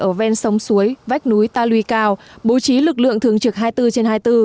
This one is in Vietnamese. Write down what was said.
ở ven sông suối vách núi ta lùi cao bố trí lực lượng thường trực hai mươi bốn trên hai mươi bốn